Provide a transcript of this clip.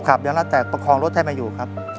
ขับอย่างน่าแตกประคองรถให้มาอยู่ครับ